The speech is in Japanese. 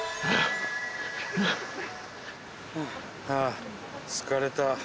はあ疲れた。